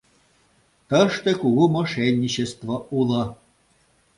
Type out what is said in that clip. Тыште кугу мошенничество уло...